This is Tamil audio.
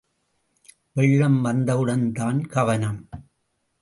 வெள்ளம் வந்தவுடன் தான் கவனம்.